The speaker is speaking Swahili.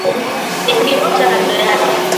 Nipige picha kando yake.